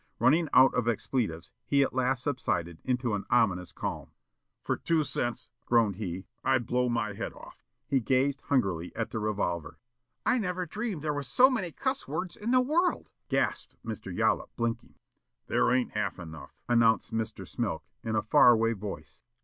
Running out of expletives he at last subsided into an ominous calm. "For two cents," groaned he, "I'd blow my head off." He gazed hungrily at the revolver. "I never dreamed there were so many cuss words in the world," gasped Mr. Yollop, blinking. "There ain't half enough," announced Mr. Smilk, in a far away voice.